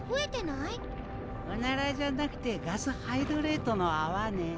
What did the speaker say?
オナラじゃなくてガスハイドレートの泡ね。